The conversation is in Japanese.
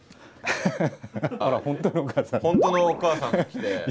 本当のお母さんが来て。